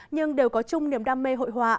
nhưng đều có chung niềm đam mê hội họa